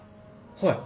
はい。